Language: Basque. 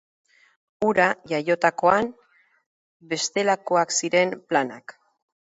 Hura jaiotakoan, bestelakoak ziren planak.